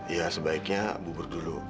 ya sebaiknya bubur dulu